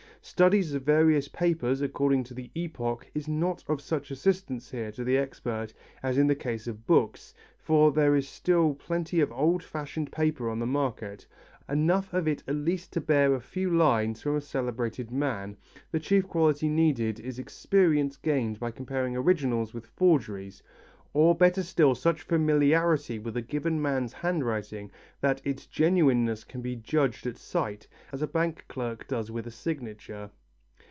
Studies of various papers according to epoch is not of such assistance here to the expert as in the case of books, for there is still plenty of old fashioned paper on the market, enough of it at least to bear a few lines from a celebrated man, the chief quality needed is experience gained by comparing originals with forgeries, or better still such familiarity with a given man's hand writing that its genuineness can be judged at sight, as a bank clerk does with a signature.